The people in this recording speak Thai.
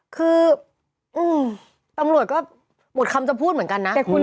คือตำรวจก็หมดคำจะพูดเหมือนกันนะ